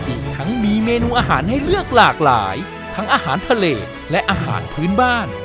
อีกทั้งมีเมนูอาหารให้เลือกหลากหลายทั้งอาหารทะเลและอาหารพื้นบ้าน